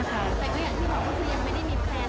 แต่ก็อย่างที่บอกก็คือยังไม่ได้มีแพลน